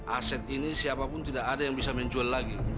aset ini siapapun tidak ada yang bisa menjual lagi